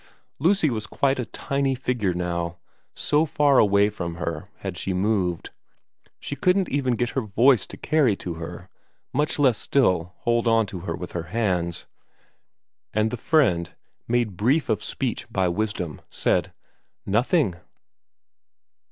Lucy was quite a tiny figure now, so far away from her had she moved ; she couldn't even get her voice to carry to her, much less still hold on to her with her hands. And the friend, made brief of speech by wisdom, said :' Nothing.'